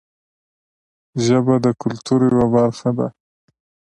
ژبه د کلتور یوه برخه ده